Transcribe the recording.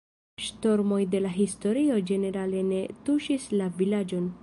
Ŝtormoj de la historio ĝenerale ne tuŝis la vilaĝon.